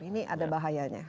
ini ada bahayanya